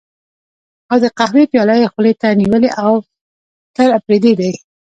او د قهوې پياله یې خولې ته نیولې، اوتر اپرېدی دی.